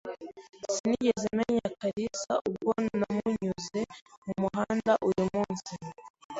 Sinigeze menya kalisa ubwo namunyuze mumuhanda uyumunsi.